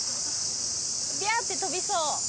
ビャッて飛びそう！